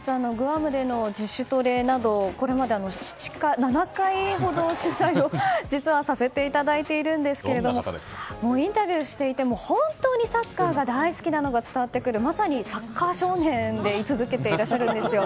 グアムでの自主トレなど７回ほど取材をさせていただいているんですがインタビューしていても本当にサッカーが大好きなのが伝わってくるまさにサッカー少年で居続けてくれているんですよ。